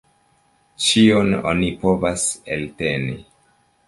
Ĉion oni povas elteni.